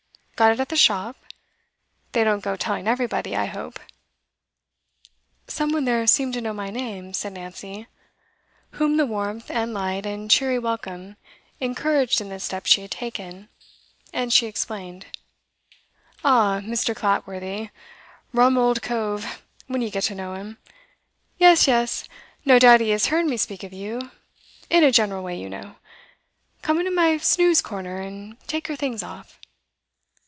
Got it at the shop? They don't go telling everybody, I hope ' 'Some one there seemed to know my name,' said Nancy, whom the warmth and light and cheery welcome encouraged in the step she had taken. And she explained. 'Ah, Mr. Clatworthy rum old cove, when you get to know him. Yes, yes; no doubt he has heard me speak of you in a general way, you know. Come into my snooze corner, and take your things off.